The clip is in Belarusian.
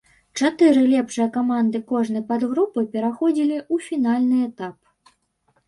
Чатыры лепшыя каманды кожнай падгрупы пераходзілі ў фінальны этап.